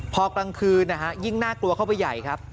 พอกลางคืนนะฮะยิ่งน่ากลัวเข้าไปใหญ่ครับ